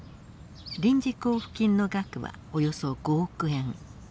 臨時交付金の額はおよそ５億円。